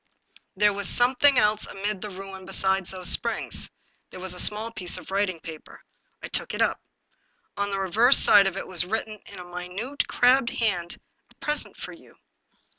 There was something else amid that ruin besides those springs ; there was a small piece of writing paper. I took it up. On the reverse side of it was written in a minute, crabbed hand :" A Present For You."